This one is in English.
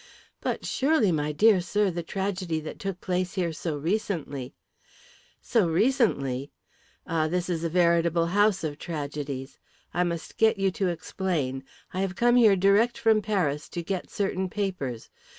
"But, surely, my dear sir, the tragedy that took place here so recently " "So recently! Ah, this is a veritable house of tragedies. I must get you to explain. I have come here direct from Paris to get certain papers.